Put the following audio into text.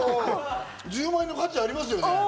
１０万円の価値ありますよね。